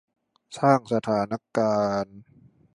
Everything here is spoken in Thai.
สร้างสถานการณ์